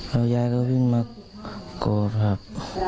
แล้วยาก็วิ่งมากดครับ